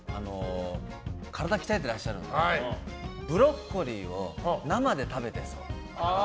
体鍛えてらっしゃるのでブロッコリーを生で食べてそう。